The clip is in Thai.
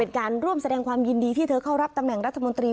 การร่วมแสดงความยินดีที่เธอเข้ารับตำแหน่งรัฐมนตรี